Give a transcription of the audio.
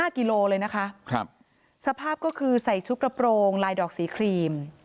กิโลเลยนะคะครับสภาพก็คือใส่ชุดกระโปรงลายดอกสีครีม